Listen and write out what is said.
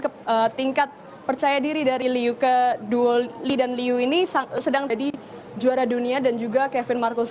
ke tingkat percaya diri dari liu ke duo lee dan liu ini sedang jadi juara dunia dan juga kevin marcus